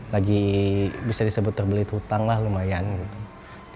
lagi bisa disebut terbelit hutang lah lumayan gitu